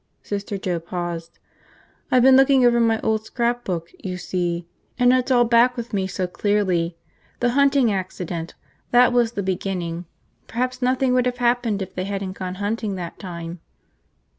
Sister Joe paused. "I've been looking over my old scrapbook, you see, and it's all back with me so clearly. The hunting accident, that was the beginning. Perhaps nothing would have happened if they hadn't gone hunting that time."